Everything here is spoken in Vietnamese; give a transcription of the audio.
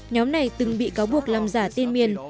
nhóm này từng bị cáo buộc làm giả tên miền